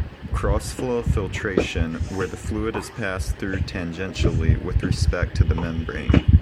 Cross-flow filtration: where the fluid is passed through tangentially with respect to the membrane.